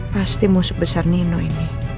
pasti musuh besar nino ini